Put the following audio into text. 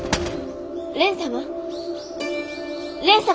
蓮様？